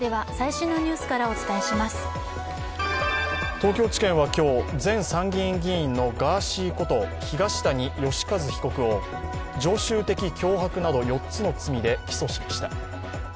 東京地検は今日、前参議院議員のガーシーこと東谷義和被告を常習的脅迫など４つの罪で起訴しました。